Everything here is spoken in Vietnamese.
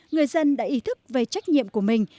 người dân đã ý thức về trách nhiệm của mình